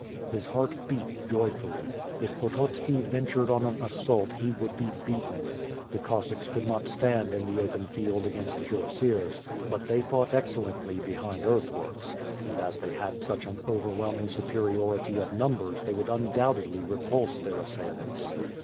His heart beat joyfully. If Pototski ventured on an assault he would be betiten. The Cossacks could not stand in the open field against cuirassiers, but they fought excellently be hind earthworks, and iis they had such an overwhelming superiority of numbers they would undoubt(»dly repulse their assailants.